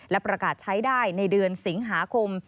และประกาศใช้ได้ในเดือนสิงหาคม